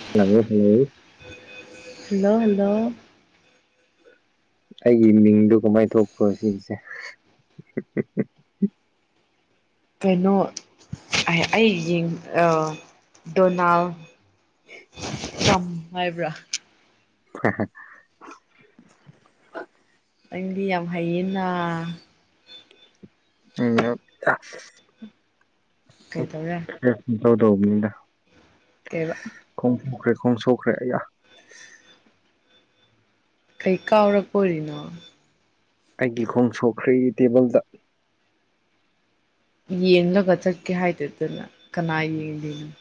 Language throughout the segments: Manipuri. [unintelligible] ꯍꯜꯂꯣ ꯍꯜꯂꯣ ꯑꯩꯒꯤ ꯃꯤꯡꯗꯣ ꯀꯃꯥꯏ ꯊꯣꯛꯄ꯭ꯔꯣ ꯁꯤꯒꯤꯁꯦ ꯀꯩꯅꯣ ꯑꯌꯥ ꯑꯩ ꯌꯦꯡ ꯑꯥ ꯗꯣꯅꯥꯜ ꯇ꯭ꯔꯝ ꯍꯥꯏꯕ꯭ꯔꯥ [unintelligible] ꯑꯩꯡꯗꯤ ꯌꯥꯝ ꯍꯩꯌꯦꯅꯥ ꯀꯩꯗꯧꯔꯦ [unintelligible] ꯄꯨꯡꯇꯧ ꯇꯧꯕꯅꯤꯗ ꯀꯩꯕꯥ ꯈꯣꯡ ꯁꯣꯛꯈ꯭ꯔꯦ ꯈꯣꯡ ꯁꯣꯛꯈ꯭ꯔꯦ ꯑꯌꯥ ꯀꯩ ꯀꯥꯎꯔꯛꯄꯣꯔꯤꯅꯣ ꯑꯩꯒꯤ ꯈꯣꯡ ꯁꯣꯛꯈ꯭ꯔꯦ ꯇꯦꯕꯜꯗ ꯌꯦꯡꯂꯒ ꯆꯠꯀꯦ ꯍꯥꯏꯗꯥꯗꯅ ꯀꯅꯥ ꯌꯦꯡꯂꯤꯅꯣ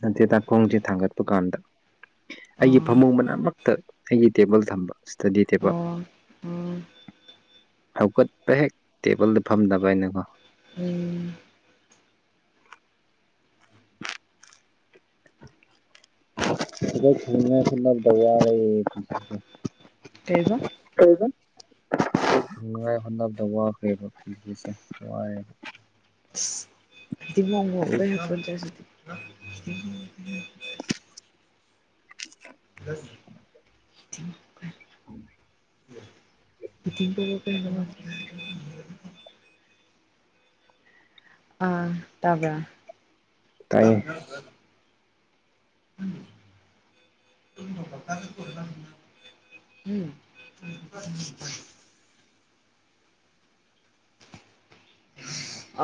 ꯅꯠꯇꯦꯗꯥ ꯈꯣꯡꯁꯦ ꯊꯥꯡꯒꯠꯄ ꯀꯥꯟꯗ ꯑꯩꯒꯤ ꯑꯣ ꯐꯃꯨꯡ ꯃꯅꯥꯛꯃꯛ ꯇ ꯑꯩꯒꯤ ꯇꯦꯕꯜ ꯊꯝꯕ ꯏꯁꯇꯗꯤ ꯇꯦꯕꯜ ꯑꯣ ꯑꯣ ꯍꯧꯒꯠꯄ ꯍꯦꯛ ꯇꯦꯕꯜꯗ ꯐꯝꯗꯕꯅꯀꯣ ꯎꯝ [unintelligible] [unintelligible] ꯀꯩꯕꯥ ꯀꯩꯕꯥ ꯅꯨꯡꯉꯥꯏ ꯍꯣꯠꯅꯕꯗ ꯋꯥꯈ꯭ꯔꯦꯕ ꯄꯨꯟꯁꯤꯁꯦ ꯋꯥꯏꯌꯦꯕ ꯑꯁ [unintelligible] [unintelligible] [inaudible] [unintelligible] ꯑꯥ ꯇꯥꯕ꯭ꯔꯥ ꯇꯥꯏꯌꯦ [inaudible] ꯍꯨꯝ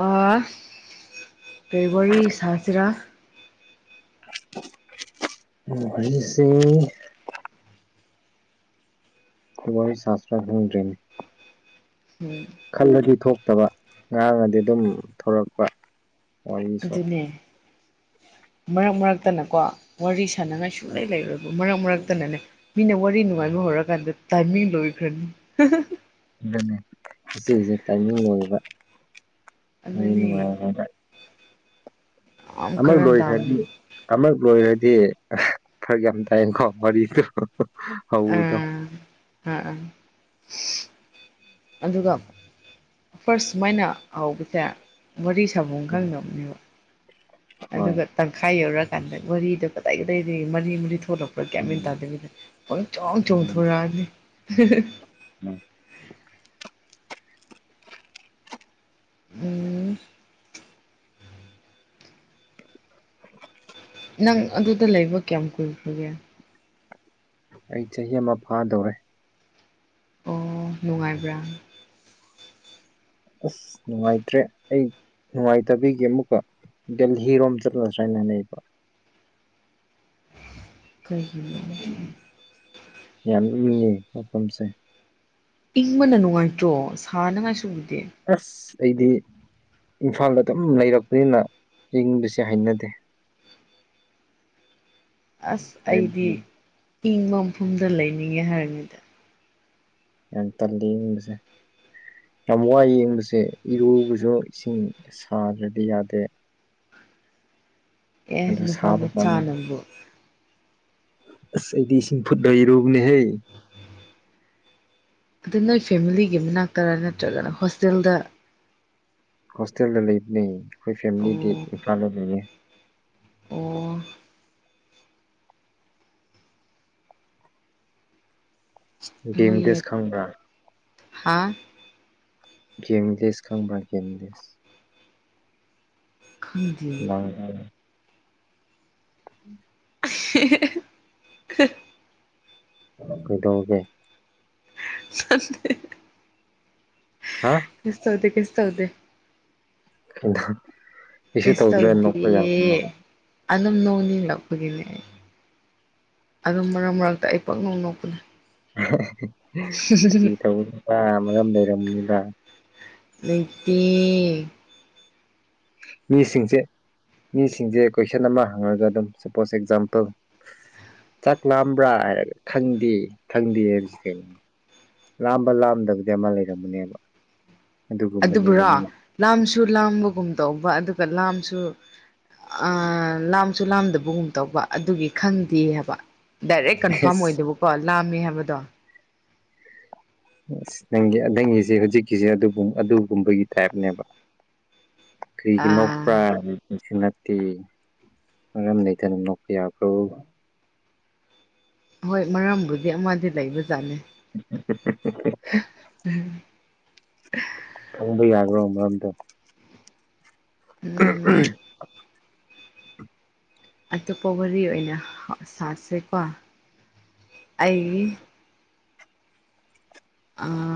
ꯑꯥ ꯀꯩ ꯋꯥꯔꯤ ꯁꯥꯥꯁꯤꯔꯥ ꯑꯣ ꯋꯥꯔꯤꯁꯦ ꯈꯣꯋꯥꯔꯤ ꯁꯥꯁꯤꯔꯥ ꯈꯪꯗ꯭ꯔꯦꯅꯦ ꯍꯨꯝ ꯈꯜꯂꯗꯤ ꯊꯣꯛꯇꯕ ꯉꯥꯡꯉꯗꯤ ꯑꯗꯨꯝ ꯊꯣꯔꯛꯄ ꯋꯥꯔꯤꯁꯨ ꯑꯗꯨꯅꯦ ꯃꯔꯛ ꯃꯔꯛꯇꯅꯀꯣ ꯋꯥꯔꯤ ꯁꯥꯟꯅꯉꯥꯏ ꯁꯨꯛꯂꯩ ꯂꯩꯔꯣꯏꯕ ꯃꯔꯛ ꯃꯔꯛꯇꯅꯅꯦ ꯃꯤꯅ ꯋꯥꯔꯤ ꯅꯨꯡꯉꯥꯏꯕ ꯍꯧꯔꯛꯀꯥꯟꯗ ꯇꯥꯏꯃꯤꯡ ꯂꯣꯏꯈ꯭ꯔꯥꯅꯤ ꯑꯗꯅꯦ ꯏꯆꯦꯁꯦ ꯇꯥꯏꯃꯤꯡ ꯂꯣꯏꯔꯦꯕ ꯋꯥꯔꯤ ꯑꯗꯨꯅꯦ ꯅꯨꯡꯉꯥꯏꯔꯑꯥꯀꯥꯟꯗ ꯌꯥꯝ ꯑꯃꯛ ꯀꯔꯟ ꯂꯣꯏꯈ꯭ꯔꯥꯗꯤ ꯇꯥꯕꯅꯤ ꯑꯃꯛ ꯂꯣꯏꯔꯗꯤ ꯐꯔꯛ ꯌꯥꯝ ꯇꯥꯏꯌꯦꯀꯣ ꯋꯥꯔꯤꯗꯣ ꯍꯧꯗꯣ ꯑꯥ ꯑꯥ ꯑꯥ ꯑꯗꯨꯒ ꯐꯥꯔꯁ ꯁꯨꯃꯥꯏꯅ ꯍꯧꯕꯁꯦ ꯋꯥꯔꯤ ꯁꯥꯕꯝ ꯈꯪꯗꯕꯅꯦꯕ ꯍꯣꯏ ꯑꯗꯨꯒ ꯇꯪꯈꯥꯏ ꯌꯧꯔꯀꯥꯟꯗ ꯋꯥꯔꯤꯗꯣ ꯀꯗꯥꯏ ꯗꯥꯏꯗꯒꯤ ꯃꯔꯤ ꯃꯔꯤ ꯊꯣꯛꯂꯛ ꯄꯒ꯭ꯌꯥꯟ ꯃꯦꯟ ꯇꯥꯗꯕꯤꯗ ꯄꯪꯆꯣꯡ ꯆꯣꯡꯊꯣꯔꯛꯑꯅꯤ ꯎꯝ ꯎ [inaudible] ꯅꯪ ꯑꯗꯨꯗ ꯂꯩꯕ ꯀꯌꯥꯝ ꯀꯨꯏꯈ꯭ꯔꯒꯦ ꯑꯩ ꯆꯍꯤ ꯑꯃ ꯐꯥꯗꯧꯔꯦ ꯑꯣ ꯅꯨꯡꯉꯥꯏꯕ꯭ꯔꯥ ꯑꯁ ꯅꯨꯡꯉꯥꯏꯇ꯭ꯔꯦ ꯑꯩ ꯅꯨꯡꯉꯥꯏꯇꯕꯤꯒꯤ ꯑꯃꯨꯛꯀ [unintelligible] ꯝ ꯆꯠꯂꯁꯨꯥꯏꯅ ꯃꯥꯟꯅꯩꯕ ꯀꯩꯒꯤꯅꯣ ꯌꯥꯝ ꯏꯪꯉꯦ ꯃꯐꯝꯁꯦ ꯏꯪꯕꯅ ꯅꯨꯡꯉꯥꯏꯇ꯭ꯔꯣ ꯁꯥꯅꯤꯡꯉꯥꯢ ꯁꯥꯔꯨꯛꯇꯤ ꯑꯁ ꯑꯩꯗꯤ ꯏꯝꯐꯥꯜꯗ ꯑꯗꯨꯝ ꯂꯩꯔꯛꯄꯅꯤꯅ ꯢꯪꯕꯁꯦ ꯍꯩꯅꯗꯦ ꯑꯁ ꯑꯩꯗꯤ ꯍꯥꯏꯕꯗꯤ ꯏꯪꯕ ꯃꯐꯝꯗ ꯂꯩꯅꯤꯡꯉꯦ ꯍꯥꯏꯕꯅꯤꯗ ꯌꯥꯝ ꯇꯜꯂꯤ ꯢꯪꯕꯒꯨꯝꯕꯁꯦ ꯌꯥꯝ ꯋꯥꯏꯌꯦ ꯢꯪꯕꯁꯦ ꯏꯔꯨꯕꯁꯨ ꯏꯁꯤꯡ ꯁꯥꯗ꯭ꯔꯗꯤ ꯌꯥꯗꯦ ꯑꯗꯨ ꯁꯥꯕ ꯄꯥꯝꯃꯦ ꯑ [unintelligible] ꯑꯁ ꯑꯩꯗꯤ ꯏꯁꯤꯡ ꯐꯨꯠꯂ ꯏꯔꯨꯕꯅꯦꯍꯦ ꯑꯗꯨ ꯅꯣꯏ ꯐꯦꯃꯤꯂꯤꯒꯤ ꯃꯅꯥꯛꯇꯔ ꯅꯠꯇ꯭ꯔꯒꯅ ꯍꯣꯁꯇꯦꯜꯗ ꯍꯣꯁꯇꯦꯜꯗ ꯂꯩꯕꯅꯦꯌꯦ ꯑꯩꯈꯣꯏ ꯐꯦꯃꯤꯂꯤꯗꯤ ꯑꯣ ꯏꯝꯐꯥꯜꯗ ꯂꯩꯌꯦ ꯑꯣ ꯒꯦꯝ ꯍꯣꯢꯌꯦ ꯚꯤꯂꯦꯖ ꯈꯪꯕ꯭ꯔꯥ ꯍꯥꯥ ꯒꯦꯝꯕꯤꯂꯦꯁ ꯈꯪꯕ꯭ꯔꯥ ꯒꯦꯝꯕꯤꯂꯦꯁ ꯈꯪꯗꯦ ꯎ [unintelligible] ꯎꯝ ꯑ [unintelligible] ꯀꯩꯗꯧꯒꯦ ꯁꯦ [unintelligible] ꯍꯥ ꯀꯤꯁ ꯇꯧꯗꯦ ꯀꯤꯁ ꯇꯧꯗꯦ ꯀꯩꯁꯨ ꯇꯧꯗ꯭ꯔ ꯅꯣꯡꯄ ꯌꯥꯕ꯭ꯔꯣ ꯑꯗꯨꯝ ꯅꯣꯡꯅꯤꯡꯂꯛꯄꯒꯤꯅꯦ ꯑꯩ ꯑꯗꯨꯝ ꯃꯔꯛ ꯃꯔꯛꯇ ꯑꯩ ꯄꯪ ꯅꯣꯛ ꯅꯣꯛꯄꯅꯦ ꯐꯒꯤ ꯑꯧꯕꯅꯤꯗ ꯃꯔꯝ ꯂꯩꯔꯝꯅꯤꯕ ꯅꯩꯇꯦ ꯃꯤꯁꯤꯡꯁꯦ ꯃꯤꯁꯤꯡꯁꯦ ꯀꯣꯏꯁꯟ ꯑꯃ ꯍꯪꯉꯒ ꯑꯗꯨꯝ ꯁꯄꯣꯁ ꯑꯦꯛꯖꯥꯝꯄꯜ ꯆꯥꯛ ꯂꯥꯝꯕ꯭ꯔꯥ ꯍꯥꯏꯔꯒ ꯈꯪꯗꯦ ꯈꯪꯗꯦ ꯍꯥꯏꯕꯁꯤ ꯀꯩꯅꯣ ꯂꯥꯝꯕ ꯂꯥꯝꯗꯕꯗꯤ ꯑꯃ ꯂꯩꯔꯝꯒꯅꯦꯕ ꯑꯗꯨꯕꯨꯔꯣ ꯂꯥꯝꯁꯨ ꯂꯥꯝꯕꯒꯨꯝ ꯇꯧꯕ ꯑꯗꯨꯒ ꯂꯥꯝꯁꯨ ꯂꯥꯝꯁꯨ ꯂꯥꯝꯗꯕꯒꯨꯝ ꯇꯧꯕ ꯑꯗꯨꯒꯤ ꯈꯪꯗꯦ ꯍꯥꯏꯕ ꯗꯥꯏꯔꯦꯛ ꯀꯟꯐꯥꯔꯝ ꯑꯁ ꯑꯣꯏꯗꯕꯀꯣ ꯂꯥꯝꯃꯦ ꯍꯥꯏꯕꯗꯣ ꯑ ꯅꯪꯒꯤ ꯅꯪꯒꯤꯁꯤ ꯍꯧꯖꯤꯛꯀꯤꯁꯦ ꯑꯗꯨꯒꯨꯝꯕꯒꯤ ꯇꯥꯏꯞꯅꯦꯕ ꯀꯔꯤꯒꯤ ꯅꯣꯛꯄ꯭ꯔꯥ ꯀꯔꯤꯁꯨ ꯅꯠꯇꯦ ꯃꯔꯝ ꯂꯩꯗꯅ ꯅꯣꯛꯄ ꯌꯥꯕ꯭ꯔꯣ ꯍꯣꯏ ꯃꯔꯝꯕꯨꯗꯤ ꯑꯃꯗꯤ ꯂꯩꯕꯖꯥꯠꯅꯤ ꯈꯪꯕ ꯌꯥꯈ꯭ꯔꯣ ꯃꯔꯝꯗꯣ ꯑ ꯎ ꯎꯝ [unintelligible] ꯑꯇꯣꯞꯄ ꯋꯥꯔꯤ ꯑꯣꯏꯅ ꯁꯥꯁꯦꯀꯣ ꯑꯩ ꯑ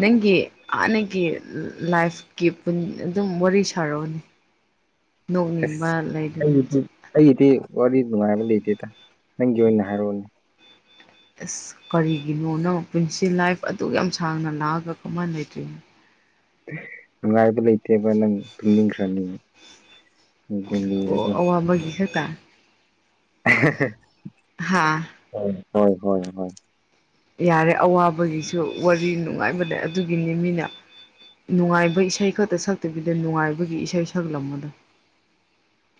ꯅꯪꯒꯤ ꯍꯥꯟꯅꯒꯤ ꯂꯥꯏꯐꯀꯤ ꯑꯗꯨꯝ ꯋꯥꯔꯤ ꯁꯥꯔꯛꯑꯣꯅꯦ [inaudible] ꯑꯁ ꯅꯣꯛꯅꯤꯡꯕ ꯑꯩꯒꯤꯗꯤ ꯂꯩꯗꯅ ꯑꯩꯒꯤꯗꯤ ꯋꯥꯔꯤ ꯅꯨꯡꯉꯥꯏꯕ ꯂꯩꯇꯦꯗ ꯅꯪꯒꯤ ꯑꯣꯏꯅ ꯍꯥꯏꯔꯛꯑꯣꯅꯦ ꯑꯁ ꯀꯔꯤꯒꯤꯅꯣ ꯅꯪ ꯄꯨꯟꯁꯤ ꯂꯥꯏꯐ ꯑꯗꯨ ꯌꯥꯝ ꯁꯥꯡꯅ ꯂꯥꯛꯑꯒ ꯀꯃꯥꯏꯅ ꯂꯩꯇ꯭ꯔꯤꯅꯣ ꯅꯨꯡꯉꯥꯏꯕ ꯂꯩꯇꯦꯕ ꯅꯪ ꯇꯨꯝꯅꯤꯡꯈ꯭ꯔꯅꯤ ꯑꯣ ꯑꯋꯥꯕꯥꯒꯤ ꯈꯛꯇꯥ ꯍꯣꯏ ꯍꯣꯏ ꯍꯣꯏ ꯌꯥꯔꯦ ꯑꯋꯥꯕꯒꯤꯁꯨ ꯋꯥꯔꯤ ꯅꯨꯡꯉꯥꯏꯕꯗ ꯑꯗꯨꯒꯤꯅꯤ ꯃꯤꯅ ꯅꯨꯡꯉꯥꯏꯕ ꯏꯁꯩ ꯈꯛꯇ ꯁꯛꯇꯕꯤꯗ ꯅꯨꯡꯉꯥꯏꯕꯒꯤ ꯏꯁꯩ ꯁꯛꯂꯝꯃꯣ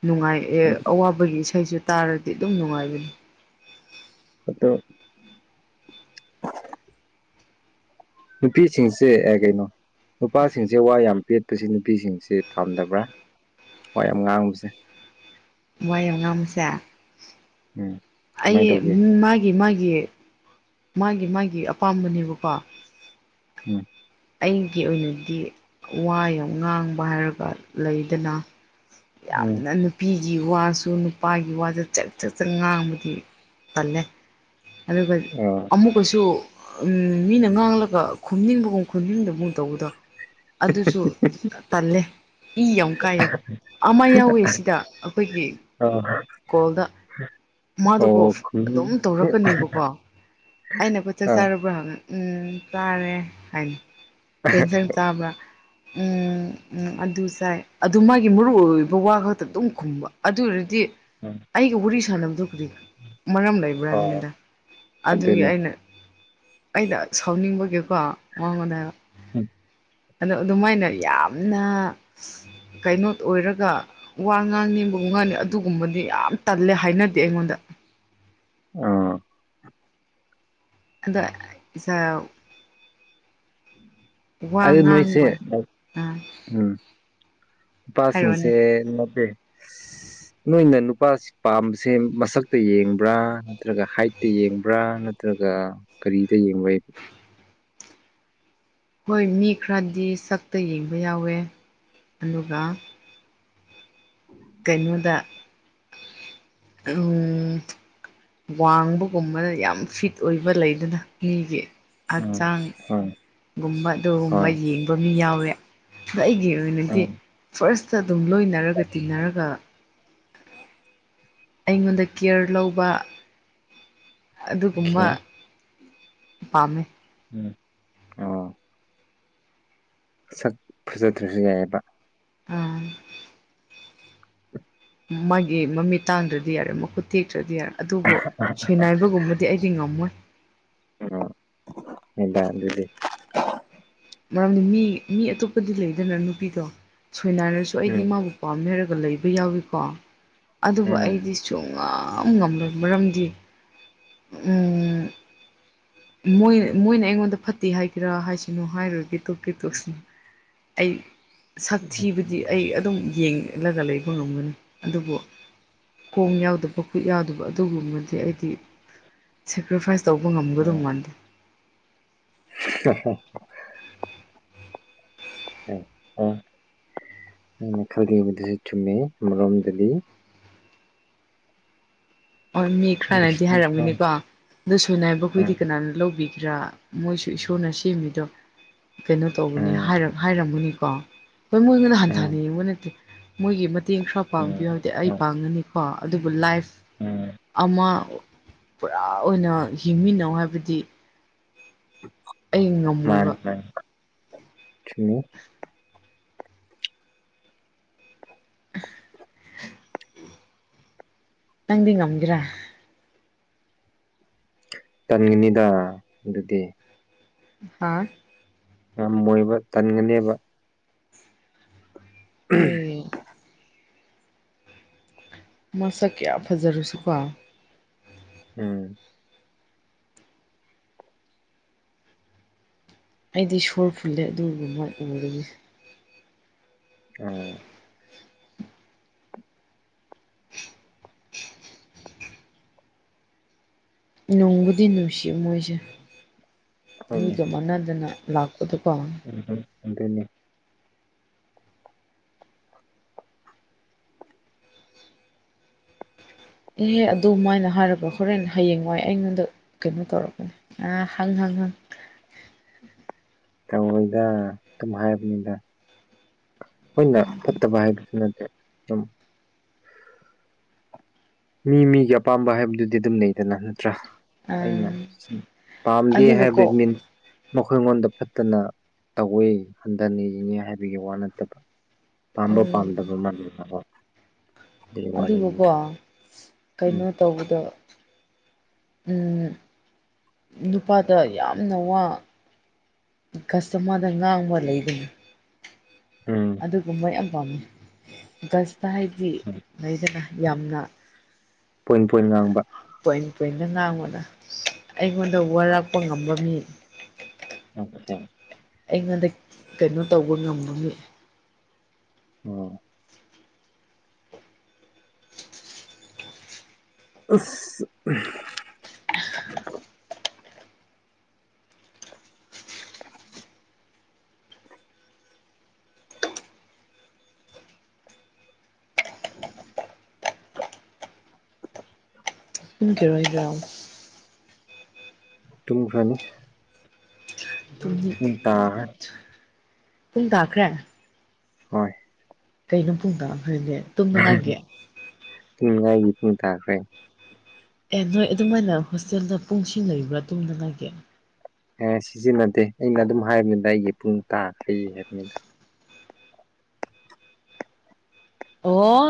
ꯅꯨꯡꯉꯥꯏ ꯑꯦ ꯑꯋꯥꯕꯒꯤ ꯏꯁꯩꯁꯨ ꯇꯥꯔꯗꯤ ꯑꯗꯨꯝ ꯅꯨꯡꯉꯥꯏꯕꯅꯤ ꯑꯇꯣ ꯅꯨꯄꯤꯁꯤꯡꯁꯦ ꯀꯩꯅꯣ ꯅꯨꯄꯥꯁꯤꯡꯁꯦ ꯋꯥ ꯌꯥꯝ ꯄꯦꯠꯄꯁ ꯅꯨꯄꯤꯁꯤꯡꯁꯤ ꯐꯥꯝꯗꯕ꯭ꯔꯥ ꯋꯥ ꯌꯥꯝ ꯉꯥꯡꯕꯁꯦ ꯋꯥ ꯌꯥꯝ ꯉꯡꯕꯥꯁꯦ ꯎꯝ ꯑꯩ ꯀꯃꯥꯏꯅ ꯇꯧꯒꯦ ꯃꯥꯒꯤ ꯃꯥꯒꯤ ꯃꯥꯒꯤ ꯃꯥꯒꯤ ꯃꯥꯒꯤ ꯑꯄꯥꯝꯕꯅꯦꯕꯀꯣ ꯎꯝ ꯑꯩꯒꯤ ꯑꯣꯏꯅꯗꯤ ꯋꯥ ꯌꯥꯝ ꯉꯥꯡꯕ ꯍꯥꯏꯔꯒ ꯂꯩꯗꯅ ꯎꯝ ꯌꯥꯝꯅ ꯅꯨ ꯅꯨꯄꯤꯒꯤ ꯋꯥꯁꯨ ꯅꯨꯄꯥꯒꯤ ꯋꯥꯁꯨ ꯆꯠ ꯆꯠ ꯆ ꯉꯥꯡꯕꯗꯤ ꯇꯜꯂꯦ ꯑꯗꯨꯒ ꯑ ꯑꯃꯨꯛꯀꯁꯨ ꯃꯤꯅ ꯉꯥꯡꯂꯒ ꯈꯨꯝꯅꯤꯡꯕꯒꯨꯝ ꯈꯨꯗꯤꯗ ꯑꯃꯨꯛ ꯇꯧꯕꯗ [unintelligible] ꯇꯜꯂꯦ ꯏ ꯌꯥꯝ ꯀꯥꯏꯑꯦ ꯑꯃ ꯌꯥꯎꯋꯦ ꯁꯤꯗ ꯑꯩꯈꯣꯏꯒꯤ ꯑꯣ ꯀꯣꯜꯗ ꯃꯥꯗꯨ ꯀꯣ ꯈꯨꯟ ꯑꯗꯨꯝ ꯇꯧꯔꯛꯀꯅꯦꯕꯀꯣ ꯑꯩꯅ ꯄꯣ ꯆꯥꯛ ꯑꯥ ꯆꯥꯔꯕ꯭ꯔꯥ ꯍꯪꯕ ꯎꯝ ꯆꯥꯔꯦ ꯍꯥꯏꯅꯤ ꯀꯩ ꯏꯟꯁꯡ ꯆꯥꯕ꯭ꯔꯥ ꯎ ꯎꯝ ꯑꯗꯨ ꯆꯥꯏ ꯑꯗꯨ ꯃꯥꯒꯤ ꯃꯔꯨ ꯑꯣꯏꯕ ꯋꯥ ꯈꯛꯇ ꯑꯗꯨꯝ ꯈꯨꯝꯕ ꯑꯗꯨ ꯑꯣꯏꯔꯗꯤ ꯑꯩꯒ ꯋꯥꯔꯤ ꯁꯥꯟꯅꯕꯗꯨ ꯈ꯭ꯔꯤ ꯃꯔꯝ ꯂꯩꯕ꯭ꯔꯥ ꯍ ꯍꯥꯌꯕꯥꯅꯤꯗ ꯑꯗꯨꯒꯤ ꯑꯗꯨꯅꯦ ꯑꯩꯅ ꯑꯩꯗ ꯁꯥꯎꯅꯤꯡꯕꯒꯤꯀꯣ ꯃꯥꯡꯉꯣꯟꯗ ꯍꯥꯏꯕꯥ ꯎꯝ ꯑꯗꯣ ꯑꯗꯨꯃꯥꯏꯅ ꯌꯥꯝꯅ ꯀꯩꯅꯣ ꯑꯣꯏꯔꯒ ꯋꯥ ꯉꯥꯡ ꯅꯦꯝꯕꯒꯨꯝ ꯉꯥꯡꯅꯤ ꯑꯗꯨꯒꯨꯝꯕꯗꯤ ꯌꯥꯝ ꯇꯜꯂꯦ ꯍꯥꯏꯅꯗꯦ ꯑꯩꯉꯣꯟꯗ ꯑꯣ ꯑꯗ ꯁ ꯋꯥ ꯑꯗꯣ ꯅꯣꯏꯁꯦ ꯉꯥꯡꯕ ꯑꯥ ꯎꯝ ꯍꯥꯏꯔꯛꯑꯣꯅꯦ ꯅꯨꯄꯥꯁꯤꯡꯁꯦ ꯅꯠꯇꯦ ꯅꯣꯏꯅ ꯅꯨꯄꯥꯁꯤ ꯄꯥꯝꯕꯁꯦ ꯃꯁꯛꯇ ꯌꯦꯡꯕ꯭ꯔꯥ ꯅꯠꯇ꯭ꯔꯒ ꯍꯥꯏꯠꯇ ꯌꯦꯡꯕ꯭ꯔꯥ ꯅꯠꯇ꯭ꯔꯒ ꯀꯔꯤꯗ ꯌꯦꯡꯕ꯭ꯔꯥꯕ ꯍꯣꯏ ꯃꯤ ꯈꯔꯗꯤ ꯁꯛꯇ ꯌꯦꯡꯕ ꯌꯥꯎꯋꯦ ꯑꯗꯨꯒ ꯀꯩꯅꯣꯗ ꯎ ꯋꯥꯡꯕꯒꯨꯝꯕꯅ ꯌꯥꯝ ꯐꯤꯠ ꯑꯣꯏꯕ ꯂꯩꯗꯅ ꯃꯤꯒꯤ ꯎꯝ ꯍꯛꯆꯥꯡ ꯍꯣꯏ ꯒꯨꯝꯕ ꯑꯗꯨꯒꯨꯝꯕ ꯍꯣꯏ ꯌꯦꯡꯕ ꯃꯤ ꯌꯥꯎꯋꯦ ꯑꯗꯣ ꯑꯩꯒꯤ ꯑꯣꯏꯅꯗꯤ ꯑꯣꯀꯦ ꯐꯥꯔꯁꯇ ꯑꯗꯨꯝ ꯂꯣꯏꯅꯔꯒ ꯇꯤꯟꯅꯔꯒ ꯑꯩꯉꯣꯟꯗ ꯀꯤꯌꯔ ꯂꯧꯕ ꯑꯗꯨꯒꯨꯝꯕ ꯄꯥꯝꯃꯦ ꯎꯝ ꯁꯛ ꯐꯖꯗ꯭ꯔꯁꯨ ꯌꯥꯏꯌꯦꯕ ꯎꯝ ꯃꯥꯒꯤ ꯃꯃꯤꯠ ꯇꯥꯡꯗ꯭ꯔꯗꯤ ꯌꯥꯔꯦ ꯃꯈꯨꯠ ꯇꯦꯛꯇ꯭ꯔꯗꯤ ꯌꯥꯔꯦ ꯑꯗꯨꯕꯨ ꯁꯣꯏꯅꯥꯏ ꯕꯒꯨꯝꯕꯗꯤ ꯑꯩꯗꯤ ꯉꯝꯃꯣꯏ ꯎ ꯏꯗꯗꯤ [unintelligible] ꯃꯔꯝꯗꯤ ꯃꯤ ꯃꯤ ꯑꯇꯣꯞꯄꯗꯤ ꯂꯩꯗꯅ ꯅꯨꯄꯤꯗꯣ ꯁꯣꯏꯅꯥꯔꯁꯨ ꯑꯩꯗꯤ ꯎꯝ ꯃꯥꯕꯨ ꯄꯥꯝꯃꯦ ꯍꯥꯏꯔꯒ ꯂꯩꯕ ꯌꯥꯎꯏꯀꯣ ꯑꯗꯨꯕꯨ ꯑꯩꯗꯤ ꯎꯝ ꯁꯨꯡꯉꯝ ꯉꯝꯂꯣꯏ ꯃꯔꯝꯗꯤ ꯎꯝ ꯃꯣꯏ ꯃꯣꯏꯅ ꯑꯩꯉꯣꯟꯗ ꯐꯠꯇꯦ ꯍꯥꯏꯒꯦꯔꯥ ꯍꯥꯏꯁꯅꯨ ꯍꯥꯏꯔꯣꯏꯒꯦ ꯇꯣꯛꯀꯦ ꯇꯣꯛꯁꯅꯨ ꯑꯩ ꯁꯛ ꯊꯤꯕ ꯗꯤ ꯑꯩ ꯑꯗꯨꯝ ꯌꯦꯡꯂꯒ ꯂꯩꯕ ꯉꯝꯒꯅꯤ ꯑꯗꯨꯕꯨ ꯈꯣꯡ ꯌꯥꯎꯗꯕ ꯈꯨꯠ ꯌꯥꯎꯗꯕ ꯑꯗꯨꯒꯨꯝꯕꯗꯤ ꯑꯩꯗꯤ ꯁꯦꯀ꯭ꯔꯤꯐꯥꯏꯁ ꯇꯧꯕ ꯉꯝꯒ ꯗꯣ ꯃꯥꯟꯗꯦ [inaudible] ꯑꯥꯏ ꯑ ꯅꯪꯅ ꯈꯜꯂꯤꯕꯗꯨꯁꯨ ꯆꯨꯝꯃꯤ ꯑꯃꯔꯣꯝꯗꯗꯤ ꯑꯣ ꯃꯤ ꯈꯔꯅꯗꯤ ꯍꯥꯏꯔꯝꯒꯅꯤꯀꯣ ꯑꯗꯣ ꯁꯣꯏꯅꯥꯏꯕꯈꯣꯏꯗꯤ ꯀꯅꯥꯅ ꯂꯧꯕꯤꯒ꯭ꯔꯥ ꯃꯣꯏꯁꯨ ꯏꯁꯣꯔꯅ ꯁꯦꯝꯃꯤꯗꯣ ꯀꯩꯅꯣ ꯇꯧꯕꯅꯤ ꯍꯥꯏꯔ ꯍꯥꯏꯔꯝꯒꯅꯤꯀꯣ ꯍꯣꯏ ꯃꯣꯏꯉꯣꯏꯅ ꯍꯟꯊꯅ ꯌꯦꯡꯕ ꯅꯠꯇꯦ ꯃꯣꯏꯒꯤ ꯃꯇꯦꯡ ꯈꯔ ꯄꯥꯡꯕꯤꯌꯨ ꯍꯥꯏꯕꯗꯤ ꯑꯩ ꯄꯥꯡꯒꯅꯤꯀꯣ ꯑꯗꯨꯕꯨ ꯂꯥꯏꯐ ꯎꯝ ꯑꯃ ꯄꯨꯔꯥ ꯑꯣꯏꯅ ꯍꯤꯡꯃꯤꯟꯅꯧ ꯍꯥꯏꯕꯗꯤ ꯑꯩ ꯃꯥꯅꯤ ꯉꯝꯃꯣꯏꯕ ꯃꯥꯅꯤ ꯆꯨꯝꯃꯤ [inaudible] ꯅꯪꯗꯤ ꯉꯝꯒꯦꯔꯥ ꯇꯟꯒꯅꯤꯗꯥ ꯗꯨꯗꯤ ꯍꯥꯥ ꯉꯝꯃꯣꯏꯕ ꯇꯟꯒꯅꯦꯕ ꯍꯣꯏꯌꯦ ꯃꯁꯛ ꯀꯌꯥ ꯐꯖꯔꯁꯨꯀꯣ ꯎꯝ ꯑꯩꯗꯤ ꯁꯣꯔ ꯐꯨꯜꯂꯦ ꯑꯗꯨꯒꯨꯝꯕ ꯎꯕꯗꯤ ꯑꯥ ꯅꯨꯡꯕꯨꯗꯤ ꯅꯨꯡꯁꯤ ꯃꯣꯏꯁꯦ ꯍꯣꯏꯅꯦ ꯃꯤꯒ ꯃꯥꯟꯅꯗꯅ ꯂꯥꯛ ꯄꯗꯨꯀꯣ ꯎꯝ ꯑꯗꯨꯅꯦ ꯑꯦꯍꯦ ꯑꯗꯨꯃꯥꯏꯅ ꯍꯥꯏꯔꯒ ꯍꯣꯔꯦꯟ ꯍꯌꯦꯡ ꯋꯥꯏ ꯑꯩꯉꯣꯟꯗ ꯀꯩꯅꯣ ꯇꯧꯔꯛꯀꯅꯤ ꯑꯥ ꯍꯪ ꯍꯪ ꯍꯪ ꯇꯧꯔꯣꯏꯗꯥ ꯑꯗꯨꯝ ꯍꯥꯏꯕꯅꯤꯗ ꯈꯣꯏꯅ ꯐꯠꯇꯕ ꯍꯥꯏꯕꯁꯨ ꯅꯠꯇꯦ ꯗꯨꯝ ꯃꯤ ꯃꯤꯒꯤ ꯑꯄꯥꯝꯕ ꯍꯥꯏꯕꯗꯨꯗꯤ ꯑꯗꯨꯝ ꯂꯩꯗꯅ ꯅꯠꯇ꯭ꯔꯥ ꯑꯩꯅ ꯑ ꯄꯥꯝꯗꯦ ꯍꯥꯏꯕꯩ ꯑꯗꯨꯒꯀꯣ ꯃꯤꯟ ꯃꯈꯣꯏꯉꯣꯟꯗ ꯐꯠꯇꯅ ꯇꯧꯋꯤ ꯍꯟꯊꯅ ꯌꯦꯡꯉꯤ ꯍꯥꯏꯕꯒꯤ ꯋꯥ ꯅꯠꯇꯕ ꯄꯥꯝꯕ ꯎꯝ ꯄꯥꯝꯗꯕ ꯑꯗꯨꯒꯤ ꯋꯥꯔꯤꯅꯤꯗ ꯑꯗꯨꯒꯀꯣ ꯎꯝ ꯀꯩꯅꯣ ꯇꯧꯕꯗ ꯅꯨꯄꯥꯗ ꯌꯥꯝꯅ ꯋꯥ ꯀꯁꯇꯃꯔꯗ ꯉꯥꯡꯕ ꯂꯩꯒꯅꯤ ꯎꯝ ꯑꯗꯨꯒꯨꯝꯕ ꯌꯥꯝ ꯄꯥꯝꯃꯤ ꯒꯁꯇ ꯍꯥꯏꯗꯤ ꯎꯝ ꯂꯩꯗꯅ ꯌꯥꯝꯅ ꯄꯣꯏꯟ ꯄꯣꯏꯟ ꯉꯥꯡꯕ ꯄꯣꯏꯟ ꯄꯣꯏꯟꯗ ꯉꯥꯡꯕꯅ ꯑꯩꯉꯣꯟꯗ ꯋꯥꯔꯛꯄ ꯉꯝꯕ ꯃꯤ ꯅꯪꯁꯦ ꯑꯩꯉꯣꯟꯗ ꯀꯩꯅꯣ ꯇꯧꯕ ꯉꯕꯒꯤ ꯑꯣ [unintelligible] [unintelligible] ꯇꯨꯝꯒꯤꯔꯣꯏꯗ꯭ꯔꯣ ꯇꯨꯝꯈ꯭ꯔꯅꯤ [unintelligible] [unintelligible] ꯄꯨꯡ ꯇꯥꯈ꯭ꯔꯦ ꯍꯣꯏ ꯀꯩꯅꯣ ꯄꯨꯡ ꯇꯥꯈ꯭ꯔꯦꯗꯤ [unintelligible] ꯑꯦ ꯅꯣꯏ ꯑꯗꯨꯃꯥꯏꯅ ꯍꯣꯁꯇꯦꯜꯗ ꯄꯨꯡꯁꯤꯡ ꯂꯩꯕ꯭ꯔꯥ ꯇꯨꯝꯅꯤꯉꯥꯏꯒꯤ ꯑꯦ ꯁꯤꯖꯤꯟꯅꯗꯦ ꯑꯩꯅ ꯑꯗꯨꯝ ꯍꯥꯏꯕꯅꯤꯗ ꯑꯩꯒꯤ ꯄꯨꯡ ꯇꯥꯈ꯭ꯔꯦ ꯍꯥꯏꯕꯅꯤꯗ ꯑꯣ